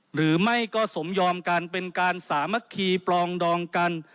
หรือไม่ก็สมยอมกันเป็นการสามัคคีปลองดองกัน